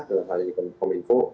saya ingin memberikan informasi